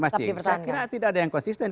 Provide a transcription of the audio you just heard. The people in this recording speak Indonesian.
masjid saya kira tidak ada yang konsisten